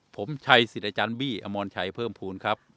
ผมชัยสิรจรบี้อมรชัยเพิ่มภูมิ